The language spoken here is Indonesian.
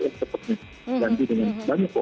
ganti dengan banyak